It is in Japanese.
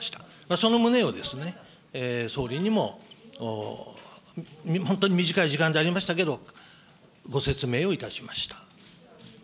その旨を総理にも本当に短い時間でありましたけれども、ご説明をいたしました。